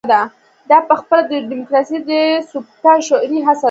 دا پخپله د ډیموکراسۍ د سبوتاژ شعوري هڅه ده.